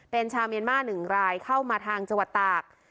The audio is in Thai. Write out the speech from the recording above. เป็นชาวเมียนมา๑รายเข้ามาทางจังหวัดตาก